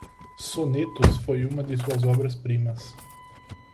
Sonetos foi uma de suas obras primas